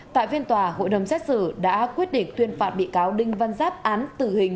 tại phiên tòa hội đồng xét xử đã quyết định tuyên phạt bị cáo đinh văn giáp án tử hình